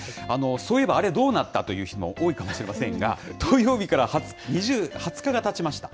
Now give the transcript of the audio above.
そういえばあれ、どうなった？という人も多いかもしれませんが、投票日から２０日がたちました。